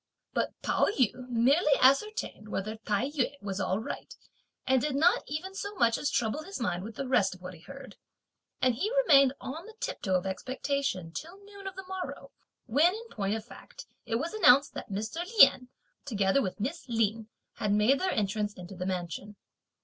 But Pao yü merely ascertained whether Tai yü was all right, and did not even so much as trouble his mind with the rest of what he heard; and he remained on the tiptoe of expectation, till noon of the morrow; when, in point of fact, it was announced that Mr. Lien, together with Miss Lin, had made their entrance into the mansion.